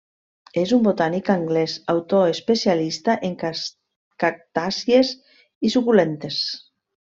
És un botànic anglès, autor especialista en cactàcies i suculentes.